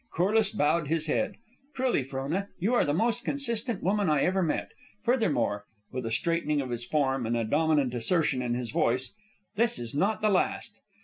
Corliss bowed his head. "Truly, Frona, you are the most consistent woman I ever met. Furthermore," with a straightening of his form and a dominant assertion in his voice, "this is not the last."